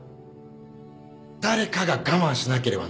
誰かが我慢しなければならない。